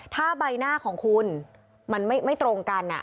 ถ้าใบหน้าของคุณมันไม่ตรงกัน